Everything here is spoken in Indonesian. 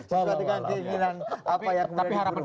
supaya kan keinginan apa yang berada di buruh